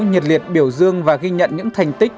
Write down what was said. nhiệt liệt biểu dương và ghi nhận những thành tích